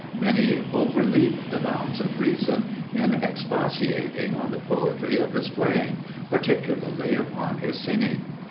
Many overleap the bounds of reason in expatiating on the poetry of his playing, particularly upon his singing.